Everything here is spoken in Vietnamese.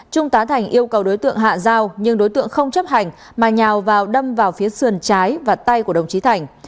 trung tá thành yêu cầu đối tượng hạ dao nhưng đối tượng không chấp hành mà nhào vào đâm vào phía sườn trái và tay của đồng chí thành